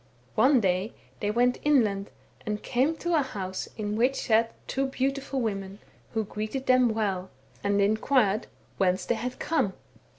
One day they went inland, and came to a house in which sat two beautiful women, who greeted them well, and 22 THE BOOK OF WERE WOLVES. inquired whence they had come.